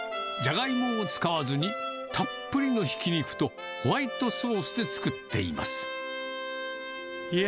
じゃがいもを使わずに、たっぷりのひき肉とホワイトソースで作っています。